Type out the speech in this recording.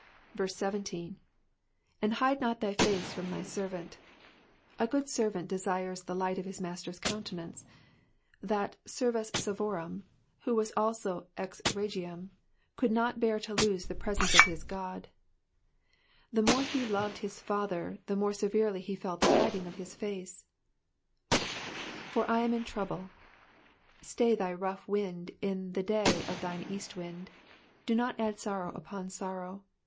*' 17. ^'And hide not thy face from thy servant.' A good servant desires the light of his master's countenance ; that servus servorum, who was also rex regium, could not bear to lose the presence of his God. The more he loved Digitized by VjOOQIC PSALM THE SIXTY iriNTH. 265 his Father, the more severely he felt the hiding of his face, "i^br I am in trouble,'*'* Stay thy rough wind in the day of thine east wind ; do not add sorrow upon sorrow.